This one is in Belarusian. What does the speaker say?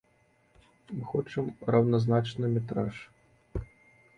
Мы хочам раўназначны метраж.